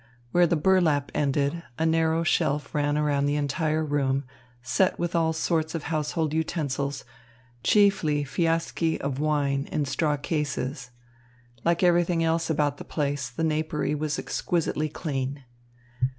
Where the burlap ended, a narrow shelf ran around the entire room, set with all sorts of household utensils, chiefly fiaschi of wine in straw cases. Like everything else about the place, the napery was exquisitely clean.